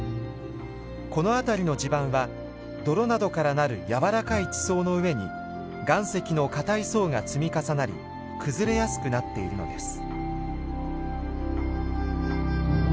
この辺りの地盤は泥などからなる軟らかい地層の上に岩石の硬い層が積み重なり崩れやすくなっているのです。